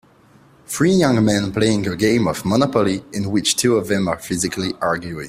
Three young men playing a game of Monopoly in which two of them are physically arguing.